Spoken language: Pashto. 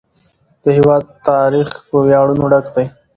د هېواد تاریخ په ویاړونو ډک دی.